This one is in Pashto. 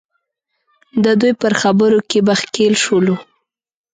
د دوی پر خبرو کې به ښکېل شولو.